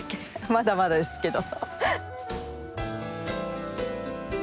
まだまだですけど。